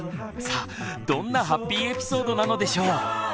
さあどんなハッピーエピソードなのでしょう。